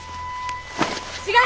違う！